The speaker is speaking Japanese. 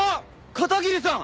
片桐さん！？